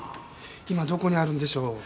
今どこにあるんでしょう？